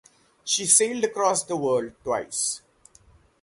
She sailed across the world twice.